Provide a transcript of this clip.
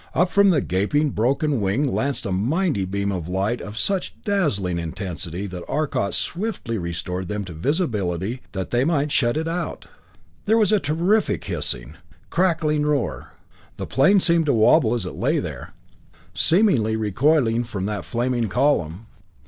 Up from the gaping, broken wing lanced a mighty beam of light of such dazzling intensity that Arcot swiftly restored them to visibility that they might shut it out. There was a terrific hissing, crackling roar. The plane seemed to wobble as it lay there, seemingly recoiling from that flaming column.